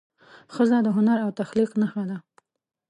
ښځه د هنر او تخلیق نښه ده.